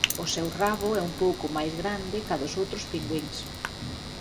O seu rabo é un pouco máis grande ca dos outros pingüíns.